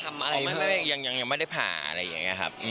ไม่ยังไม่ได้ผ่านอะไรอย่างนี้ครับ